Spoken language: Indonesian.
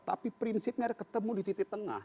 tapi prinsipnya ketemu di titik tengah